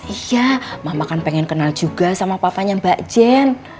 iya mama kan pengen kenal juga sama papanya mbak jen